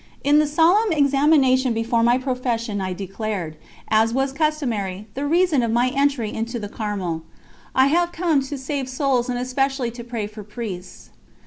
In the solemn examination before my profession I declared as was customary the reason of my entry into the Carmel: "I have come to save souls, and especially to pray for Priests."